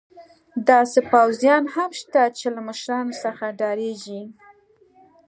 داسې پوځیان هم شته چې له مشرانو څخه ډارېږي.